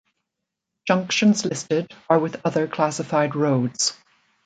Junctions listed are with other classified roads.